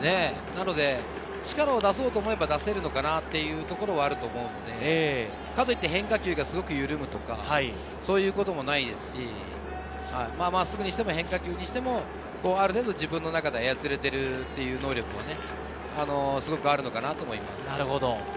力を出そうと思えば出せるのかなっていうところはあると思うので、かといって変化球がすごく緩むとか、そういうこともないですし、真っすぐにしても変化球にしても、ある程度自分の中で操れているという能力がすごくあるのかなと思います。